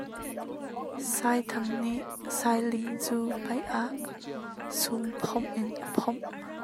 Saithang nih Sailing cu paih ah sum phomh in a phomh.